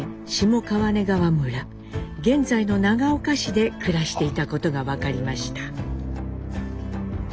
現在の長岡市で暮らしていたことが分かりました。